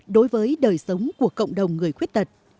đối với đời sống của cộng đồng người khuyết tật